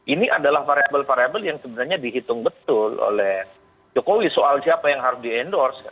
ini adalah variable variable yang sebenarnya dihitung betul oleh jokowi soal siapa yang harus di endorse